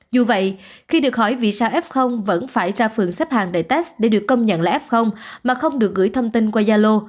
dù vậy khi được hỏi vì sao f vẫn phải ra phường xếp hàng đại test để được công nhận là f mà không được gửi thông tin qua gia lô